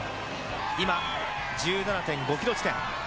今１７．５ｋｍ地点。